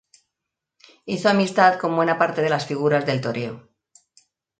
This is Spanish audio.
Hizo amistad con buena parte de las figuras del toreo.